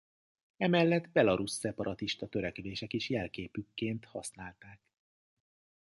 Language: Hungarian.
Emellett belarusz szeparatista törekvések is jelképükként használták.